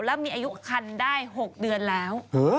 แล้วมีอายุคันได้๖เดือนแล้ว